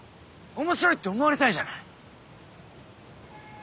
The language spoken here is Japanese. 面白いって思われたいじゃない。